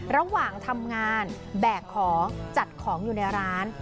ระหว่างทำงานแบกของจัดของอยู่ในร้าน